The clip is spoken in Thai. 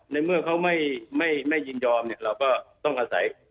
ในเมื่อเขาไม่ยินยอมเราก็ต้องอาศัย